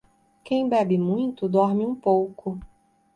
Quem bebe muito, dorme um pouco.